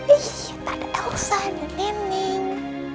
ih gak ada elsa gak ada neneng